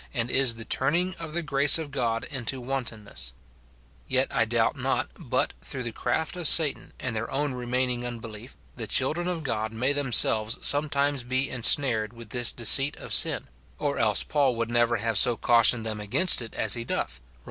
225 and Is the "turning of the grace of God into wanton ness ;"* yet I doubt not but, through the craft of Satan and their own remaining unbelief, the children of God may themselves sometimes be ensnared with this deceit of sin, or else Paul would never have so cautioned them against it as he doth, Rom.